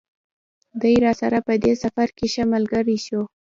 دی راسره په دې سفر کې ښه ملګری شوی.